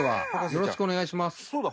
よろしくお願いします。